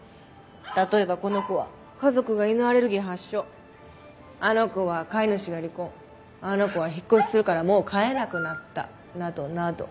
例えばこの子は家族が犬アレルギー発症あの子は飼い主が離婚あの子は引っ越しするからもう飼えなくなったなどなど。